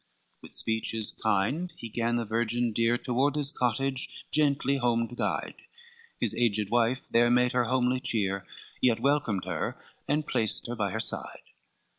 XVII With speeches kind, he gan the virgin dear Toward his cottage gently home to guide; His aged wife there made her homely cheer, Yet welcomed her, and placed her by her side.